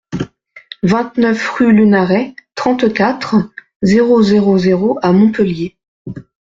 vingt-neuf rue Lunaret, trente-quatre, zéro zéro zéro à Montpellier